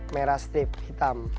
merah strip hitam